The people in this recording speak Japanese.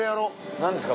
何ですか？